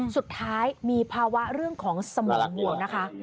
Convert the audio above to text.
สุดท้ายมีภาวะเรื่องของสมองบวกนะคะ